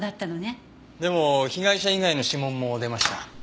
でも被害者以外の指紋も出ました。